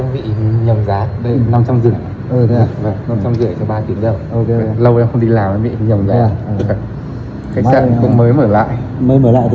mấy em bị nghỉ lâu quá rồi